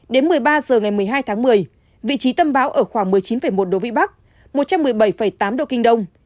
đến một mươi ba h ngày một mươi hai tháng một mươi vị trí tâm bão ở khoảng một mươi chín một độ vĩ bắc một trăm một mươi bảy tám độ kinh đông